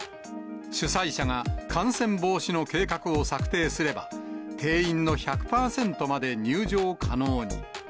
主催者が感染防止の計画を策定すれば、定員の１００％まで入場可能に。